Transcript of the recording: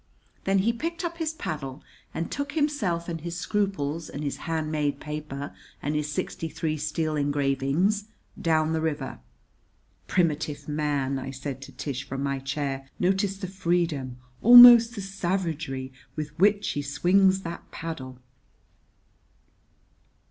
Then he picked up his paddle and took himself and his scruples and his hand made paper and his sixty three steel engravings down the river. "Primitive man!" I said to Tish, from my chair. "Notice the freedom, almost the savagery, with which he swings that paddle."